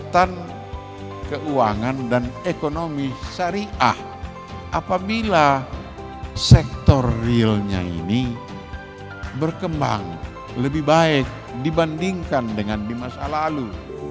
kegiatan keuangan dan ekonomi syariah apabila sektor realnya ini berkembang lebih baik dibandingkan dengan di masa lalu